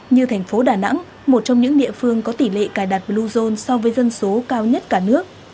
như thành phố đà nẵng một trong những địa phương có tỷ lệ cài đặt bluezone so với dân số cao nhất cả nước